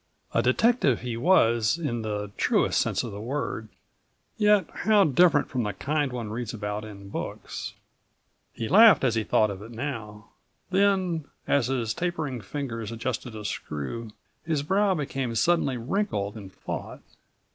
A detective he was in the truest sense of the word, yet how different from the kind one reads about in books. He laughed as he thought of it now. Then as his tapering fingers adjusted a screw, his brow became suddenly wrinkled in thought.